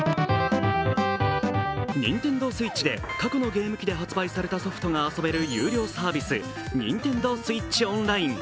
ＮｉｎｔｅｎｄｏＳｗｉｔｃｈで過去のゲーム機で発売されたソフトが遊べる有料サービスＮｉｎｔｅｎｄｏＳｗｉｔｃｈＯｎｌｉｎｅ。